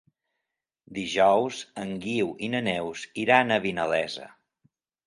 Dijous en Guiu i na Neus iran a Vinalesa.